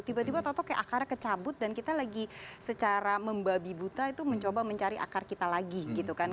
tiba tiba tau tau kayak akarnya kecabut dan kita lagi secara membabi buta itu mencoba mencari akar kita lagi gitu kan